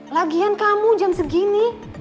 lagian kamu jam segini